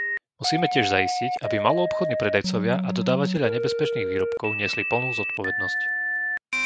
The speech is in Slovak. Musíme tiež zaistiť, aby maloobchodní predajcovia a dodávatelia nebezpečných výrobkov niesli plnú zodpovednosť.